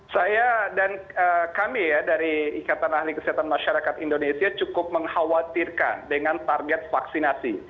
saya dan kami ya dari ikatan ahli kesehatan masyarakat indonesia cukup mengkhawatirkan dengan target vaksinasi